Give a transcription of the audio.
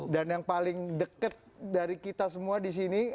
dan yang paling deket dari kita semua disini